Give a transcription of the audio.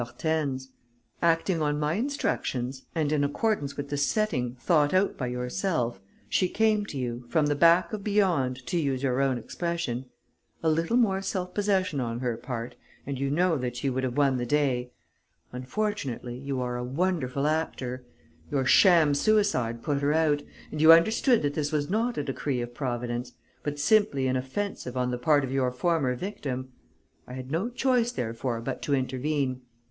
Hortense. Acting on my instructions and in accordance with the setting thought out by yourself, she came to you, from the back of beyond, to use your own expression. A little more self possession on her part; and you know that she would have won the day. Unfortunately, you are a wonderful actor; your sham suicide put her out; and you understood that this was not a decree of Providence, but simply an offensive on the part of your former victim. I had no choice, therefore, but to intervene.